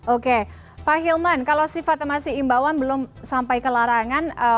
oke pak hilman kalau sifatnya masih imbauan belum sampai ke larangan